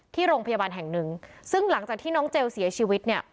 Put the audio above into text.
ที่โรงพยาบาลแห่งหนึ่งซึ่งหลังจากที่น้องเจลเสียชีวิตเนี่ย